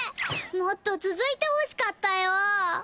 もっと続いてほしかったよ！